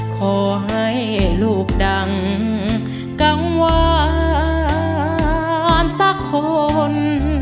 ขอให้ลูกดังกังวานสักคน